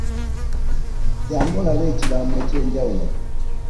Jamgu olabe ekirano ekyemjawulo .